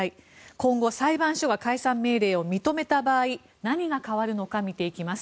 今後、裁判所が解散命令を認めた場合何が変わるのか見ていきます。